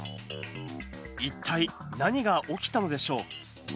一体何が起きたのでしょう。